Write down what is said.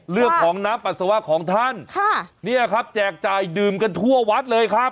เรื่องของน้ำปัสสาวะของท่านค่ะเนี่ยครับแจกจ่ายดื่มกันทั่ววัดเลยครับ